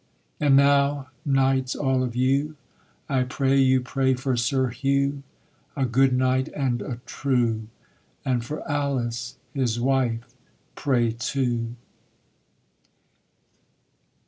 And now, knights all of you, I pray you pray for Sir Hugh, A good knight and a true, And for Alice, his wife, pray too.